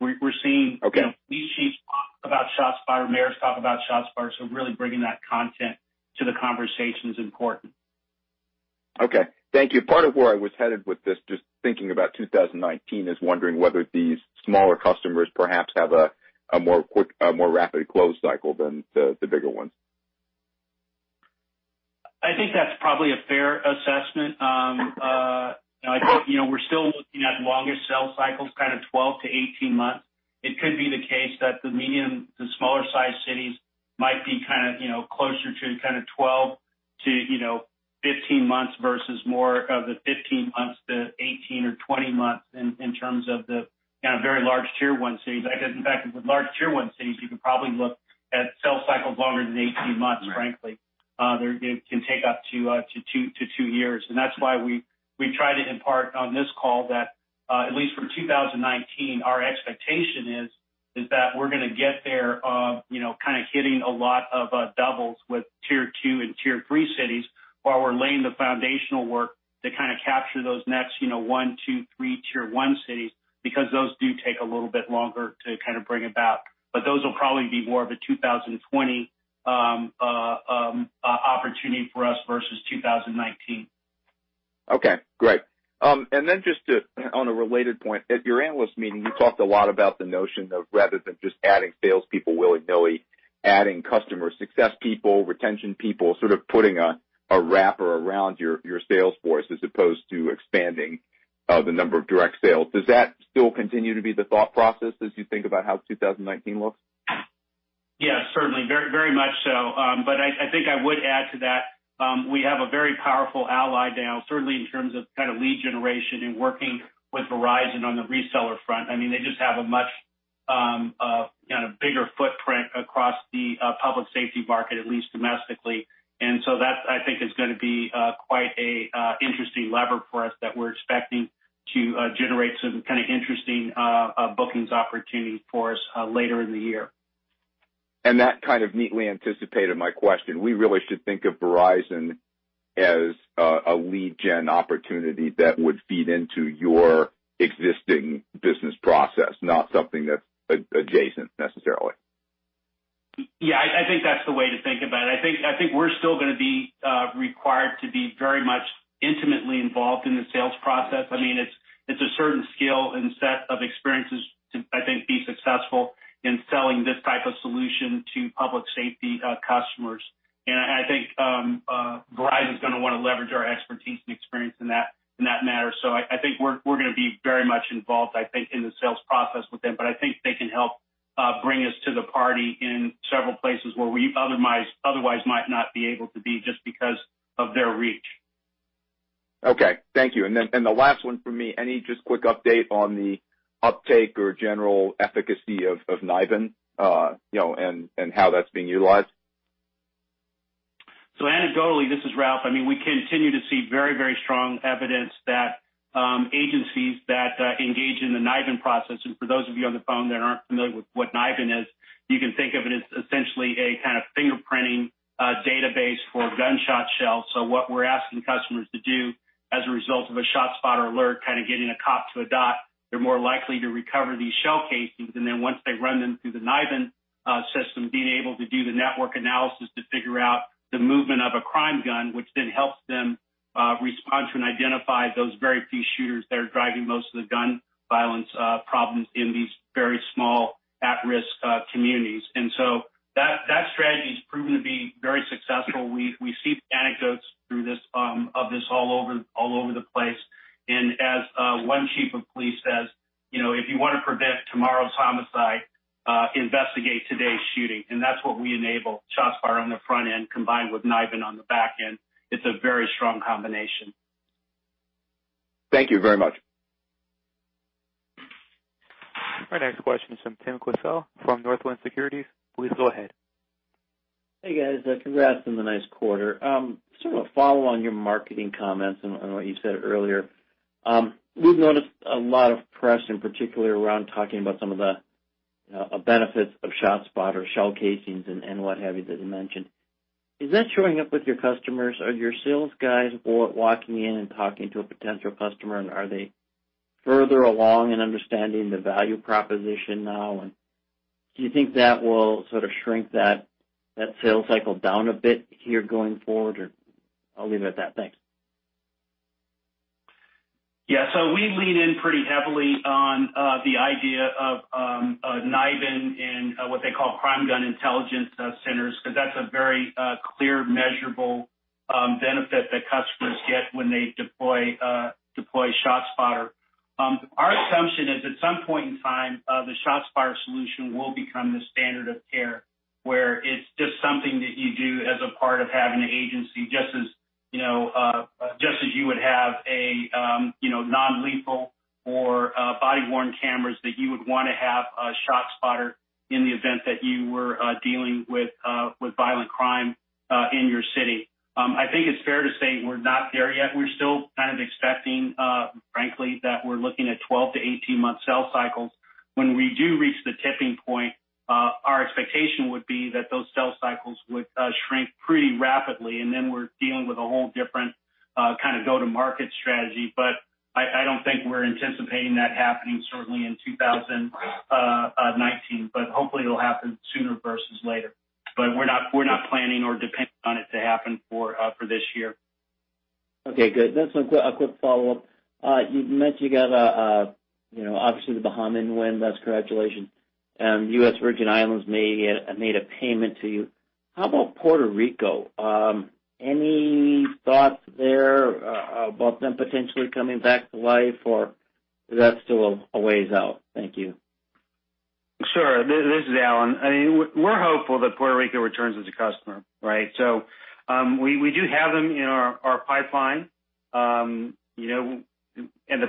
We're seeing- Okay These chiefs talk about ShotSpotter, mayors talk about ShotSpotter, really bringing that content to the conversation is important. Okay. Thank you. Part of where I was headed with this, just thinking about 2019, is wondering whether these smaller customers perhaps have a more rapid close cycle than the bigger ones. I think that's probably a fair assessment. I think we're still looking at longer sales cycles, kind of 12 to 18 months. It could be the case that the medium to smaller-sized cities might be kind of closer to kind of 12 to 15 months versus more of the 15 months to 18 or 20 months in terms of the kind of very large tier 1 cities. I guess, in fact, with large tier 1 cities, you can probably look at sales cycles longer than 18 months, frankly. Right. They can take up to two years, that's why we try to impart on this call that, at least for 2019, our expectation is that we're going to get there, kind of hitting a lot of doubles with tier 2 and tier 3 cities while we're laying the foundational work to kind of capture those next one, two, three tier 1 cities, because those do take a little bit longer to kind of bring about. Those will probably be more of a 2020 opportunity for us versus 2019. Okay, great. Then just on a related point, at your analyst meeting, you talked a lot about the notion of rather than just adding salespeople willy-nilly, adding customer success people, retention people, sort of putting a wrapper around your sales force as opposed to expanding the number of direct sales. Does that still continue to be the thought process as you think about how 2019 looks? Yes, certainly. Very much so. I think I would add to that, we have a very powerful ally now, certainly in terms of lead generation and working with Verizon on the reseller front. They just have a much bigger footprint across the public safety market, at least domestically. That, I think, is going to be quite an interesting lever for us that we're expecting to generate some kind of interesting bookings opportunities for us later in the year. That kind of neatly anticipated my question. We really should think of Verizon as a lead gen opportunity that would feed into your existing business process, not something that's adjacent necessarily. Yeah, I think that's the way to think about it. I think we're still going to be required to be very much intimately involved in the sales process. It's a certain skill and set of experiences to, I think, be successful in selling this type of solution to public safety customers. I think Verizon's going to want to leverage our expertise and experience in that matter. I think we're going to be very much involved, I think, in the sales process with them. I think they can help bring us to the party in several places where we otherwise might not be able to be just because of their reach. Okay. Thank you. Then the last one from me, any just quick update on the uptake or general efficacy of NIBIN, and how that's being utilized? Anecdotally, this is Ralph, we continue to see very strong evidence that agencies that engage in the NIBIN process, for those of you on the phone that aren't familiar with what NIBIN is, you can think of it as essentially a kind of fingerprinting database for gunshot shells. What we're asking customers to do as a result of a ShotSpotter alert, kind of getting a cop to a dot, they're more likely to recover these shell casings. Then once they run them through the NIBIN system, being able to do the network analysis to figure out the movement of a crime gun, which then helps them respond to and identify those very few shooters that are driving most of the gun violence problems in these very small at-risk communities. That strategy's proven to be very successful. We see anecdotes of this all over the place. As one chief of police says, "If you want to prevent tomorrow's homicide, investigate today's shooting." That's what we enable. ShotSpotter on the front end combined with NIBIN on the back end, it's a very strong combination. Thank you very much. Our next question is from Tim Quast from Northland Securities. Please go ahead. Hey, guys. Congrats on the nice quarter. Sort of a follow on your marketing comments on what you said earlier. We've noticed a lot of press in particular around talking about some of the benefits of ShotSpotter shell casings and what have you that you mentioned. Is that showing up with your customers? Are your sales guys walking in and talking to a potential customer, and are they further along in understanding the value proposition now, and do you think that will sort of shrink that sales cycle down a bit here going forward or I'll leave it at that. Thanks. We lean in pretty heavily on the idea of NIBIN in what they call crime gun intelligence centers, because that's a very clear measurable benefit that customers get when they deploy ShotSpotter. Our assumption is, at some point in time, the ShotSpotter solution will become the standard of care, where it's just something that you do as a part of having an agency, just as you would have a non-lethal or body-worn cameras, that you would want to have ShotSpotter in the event that you were dealing with violent crime in your city. I think it's fair to say we're not there yet. We're still kind of expecting, frankly, that we're looking at 12- to 18-month sales cycles. When we do reach the tipping point, our expectation would be that those sales cycles would shrink pretty rapidly, and then we're dealing with a whole different kind of go-to-market strategy. I don't think we're anticipating that happening certainly in 2019, but hopefully it'll happen sooner versus later. We're not planning or depending on it to happen for this year. Okay, good. A quick follow-up. You've mentioned you got obviously the Bahamian win, thus congratulations. U.S. Virgin Islands made a payment to you. How about Puerto Rico? Any thoughts there about them potentially coming back to life, or is that still a ways out? Thank you. Sure. This is Alan. We're hopeful that Puerto Rico returns as a customer, right? We do have them in our pipeline. The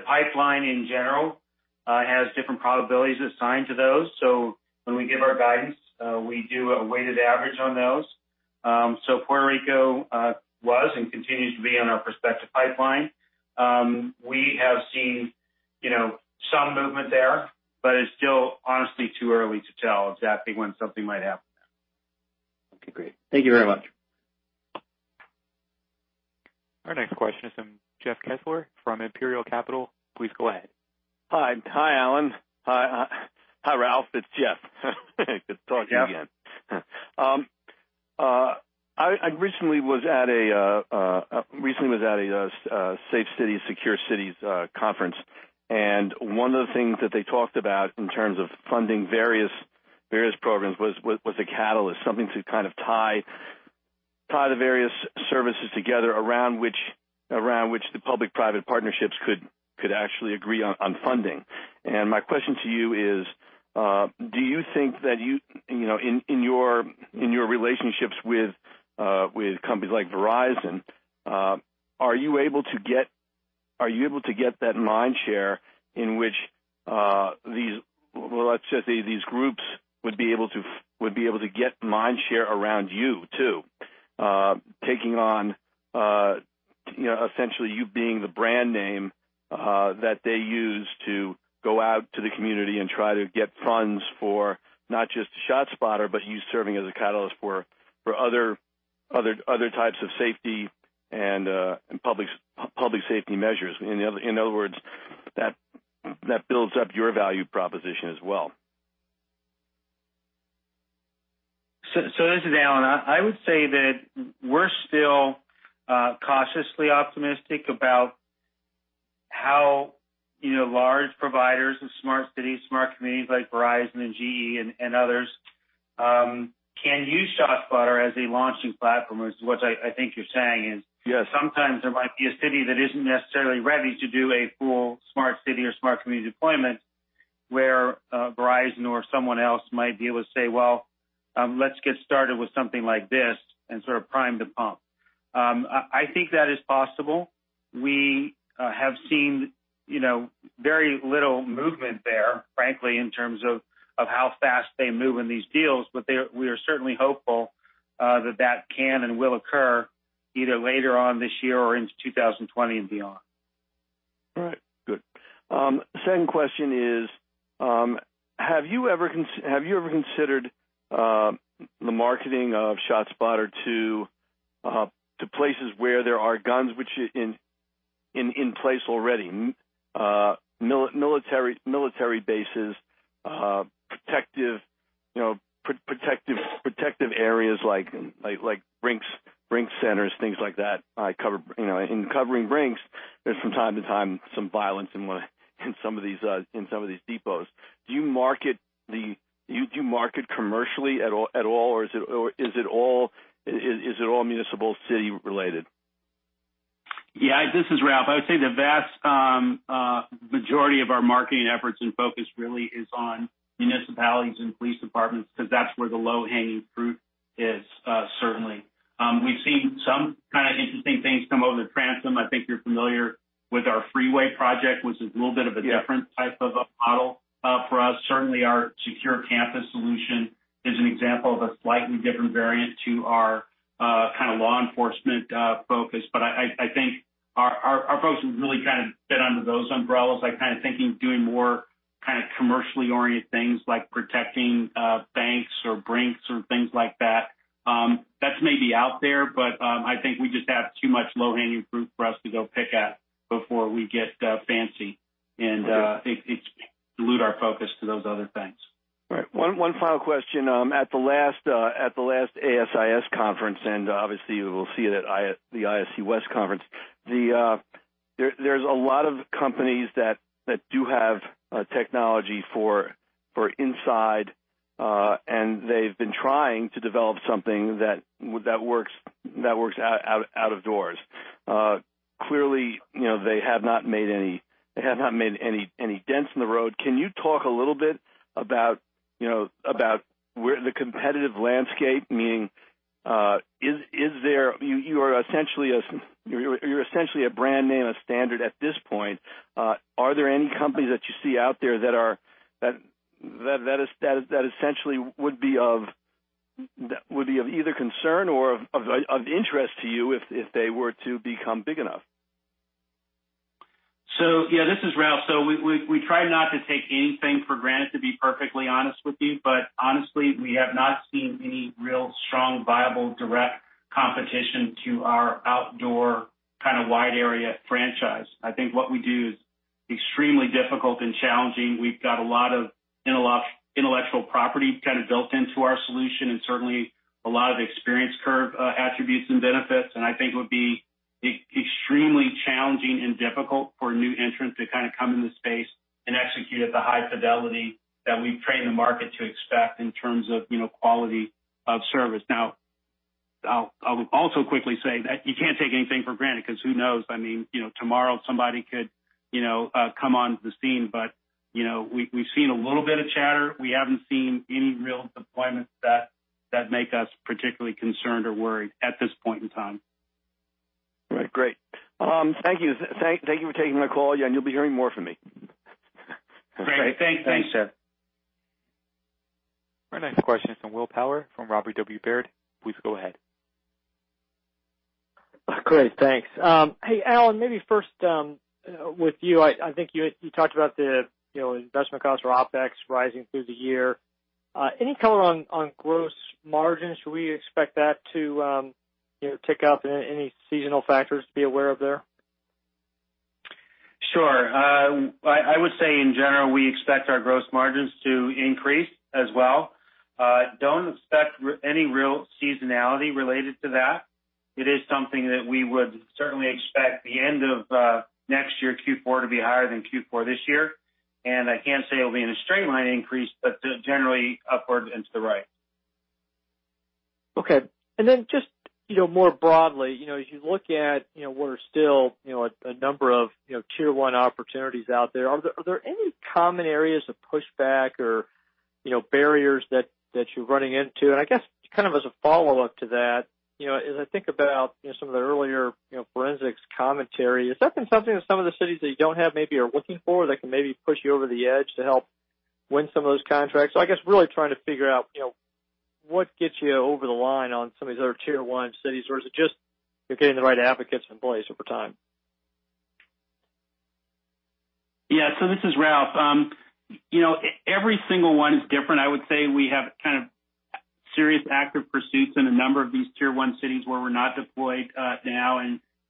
pipeline in general has different probabilities assigned to those. When we give our guidance, we do a weighted average on those. Puerto Rico was and continues to be in our prospective pipeline. We have seen some movement there, but it's still honestly too early to tell exactly when something might happen there. Okay, great. Thank you very much. Our next question is from Jeff Kessler from Imperial Capital. Please go ahead. Hi, Alan. Hi, Ralph. It's Jeff. Good talking to you again. Jeff. I recently was at a Safe City Secure Cities conference, one of the things that they talked about in terms of funding various programs was a catalyst, something to kind of tie the various services together around which- Around which the public-private partnerships could actually agree on funding. My question to you is, do you think that in your relationships with companies like Verizon, are you able to get that mind share in which these groups would be able to get mind share around you, too, taking on essentially you being the brand name that they use to go out to the community and try to get funds for not just ShotSpotter, but you serving as a catalyst for other types of safety and public safety measures. In other words, that builds up your value proposition as well. This is Alan. I would say that we're still cautiously optimistic about how large providers of smart cities, smart communities like Verizon and GE and others, can use ShotSpotter as a launching platform, is what I think you're saying is- Yeah sometimes there might be a city that isn't necessarily ready to do a full smart city or smart community deployment, where Verizon or someone else might be able to say, "Well, let's get started with something like this" and sort of prime the pump. I think that is possible. We have seen very little movement there, frankly, in terms of how fast they move in these deals. We are certainly hopeful that that can and will occur either later on this year or into 2020 and beyond. All right, good. Second question is, have you ever considered the marketing of ShotSpotter to places where there are guns in place already, military bases, protective areas like Brink's centers, things like that. In covering Brink's, there's from time to time some violence in some of these depots. Do you market commercially at all, or is it all municipal city-related? Yeah. This is Ralph. I would say the vast majority of our marketing efforts and focus really is on municipalities and police departments because that's where the low-hanging fruit is, certainly. We've seen some kind of interesting things come over the transom. I think you're familiar with our freeway project, which is a little bit of a different. Yeah type of a model for us. Certainly, our secure campus solution is an example of a slightly different variant to our kind of law enforcement focus. I think our focus has really kind of been under those umbrellas, like kind of thinking of doing more kind of commercially-oriented things like protecting banks or Brink's or things like that. That's maybe out there, but I think we just have too much low-hanging fruit for us to go pick at before we get fancy, and. Okay It'd dilute our focus to those other things. Right. One final question. At the last ASIS conference, obviously we will see you at the ISC West conference, there's a lot of companies that do have technology for inside, and they've been trying to develop something that works out of doors. Clearly, they have not made any dents in the road. Can you talk a little bit about the competitive landscape? Meaning, you're essentially a brand name, a standard at this point. Are there any companies that you see out there that essentially would be of either concern or of interest to you if they were to become big enough? Yeah, this is Ralph. We try not to take anything for granted, to be perfectly honest with you. Honestly, we have not seen any real strong, viable, direct competition to our outdoor kind of wide area franchise. I think what we do is extremely difficult and challenging. We've got a lot of intellectual property kind of built into our solution, and certainly a lot of experience curve attributes and benefits, and I think it would be extremely challenging and difficult for new entrants to kind of come in the space and execute at the high fidelity that we've trained the market to expect in terms of quality of service. Now, I'll also quickly say that you can't take anything for granted because who knows, tomorrow somebody could come onto the scene. We've seen a little bit of chatter. We haven't seen any real deployments that make us particularly concerned or worried at this point in time. Right. Great. Thank you for taking my call. You'll be hearing more from me. Great. Thanks. Thanks. Our next question is from Will Power from Robert W. Baird. Please go ahead. Great. Thanks. Hey, Alan, maybe first with you, I think you talked about the investment cost or OpEx rising through the year. Any color on gross margins? Should we expect that to tick up? Any seasonal factors to be aware of there? Sure. I would say in general, we expect our gross margins to increase as well. Don't expect any real seasonality related to that. It is something that we would certainly expect the end of next year Q4 to be higher than Q4 this year. I can't say it'll be in a straight line increase, but generally upward and to the right. Okay. Just more broadly, as you look at where still a number of tier 1 opportunities out there, are there any common areas of pushback or barriers that you're running into? I guess, kind of as a follow-up to that, as I think about some of the earlier forensics commentary, is that been something that some of the cities that you don't have maybe are looking for that can maybe push you over the edge to help win some of those contracts? I guess really trying to figure out what gets you over the line on some of these other tier 1 cities, or is it just you're getting the right advocates in place over time? Yeah. This is Ralph. Every single one is different. I would say we have kind of serious active pursuits in a number of these tier 1 cities where we're not deployed now.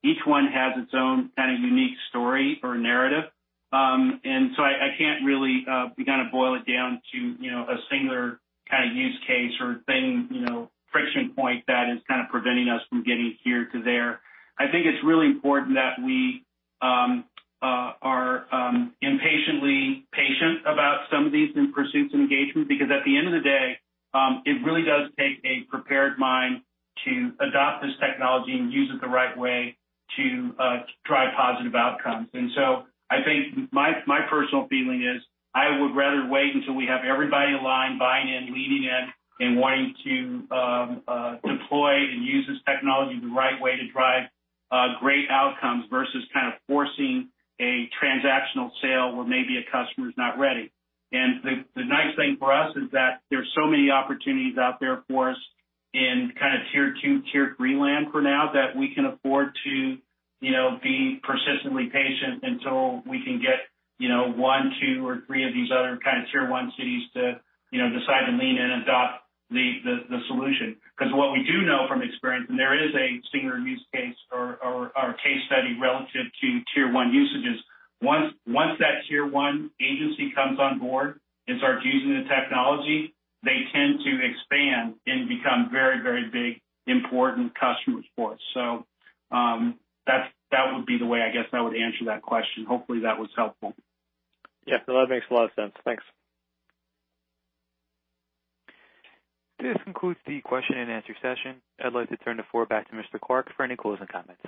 Each one has its own kind of unique story or narrative. I can't really begin to boil it down to a singular kind of use case or thing, friction point that is kind of preventing us from getting here to there. I think it's really important that we are impatiently patient about some of these new pursuits and engagements, because at the end of the day, it really does take a prepared mind to adopt this technology and use it the right way to drive positive outcomes. I think my personal feeling is I would rather wait until we have everybody aligned, buying in, leaning in, and wanting to deploy and use this technology the right way to drive great outcomes versus kind of forcing a transactional sale where maybe a customer's not ready. The nice thing for us is that there's so many opportunities out there for us in kind of tier 2, tier 3 land for now that we can afford to be persistently patient until we can get one, two, or three of these other kind of tier 1 cities to decide to lean in and adopt the solution. Because what we do know from experience, there is a singular use case or case study relative to tier 1 usages. Once that tier 1 agency comes on board and starts using the technology, they tend to expand and become very big, important customers for us. That would be the way, I guess, I would answer that question. Hopefully, that was helpful. Yeah, no, that makes a lot of sense. Thanks. This concludes the question and answer session. I'd like to turn the floor back to Mr. Clark for any closing comments.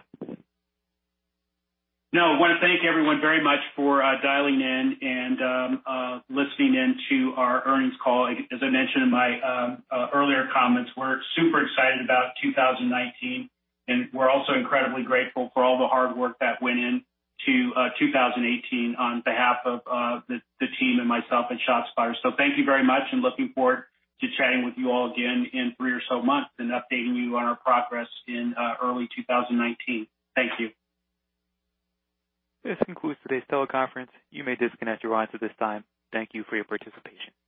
I want to thank everyone very much for dialing in and listening in to our earnings call. As I mentioned in my earlier comments, we're super excited about 2019, and we're also incredibly grateful for all the hard work that went in to 2018 on behalf of the team and myself at ShotSpotter. Thank you very much, and looking forward to chatting with you all again in three or so months and updating you on our progress in early 2019. Thank you. This concludes today's teleconference. You may disconnect your lines at this time. Thank you for your participation.